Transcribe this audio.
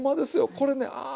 これねあ